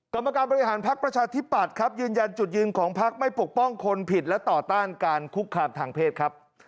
กรรมการบริหารพักประชาธิปัตย์ครับยืนยันจุดยืนของพักไม่ปกป้องคนผิดและต่อต้านการคุกคามทางเพศครับ